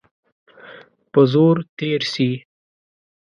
په زور تېر سي.